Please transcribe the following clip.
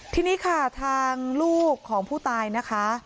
ทีนี้ค่ะทางลูกของผู้ตายนะคะ